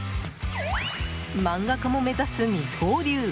漫画家も目指す、二刀流。